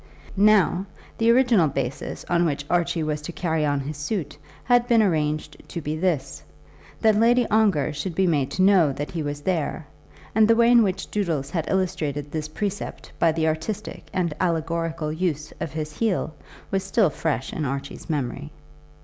Now the original basis on which Archie was to carry on his suit had been arranged to be this, that Lady Ongar should be made to know that he was there; and the way in which Doodles had illustrated this precept by the artistic and allegorical use of his heel was still fresh in Archie's memory.